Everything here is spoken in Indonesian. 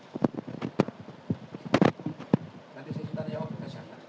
nanti saya sebentar jawab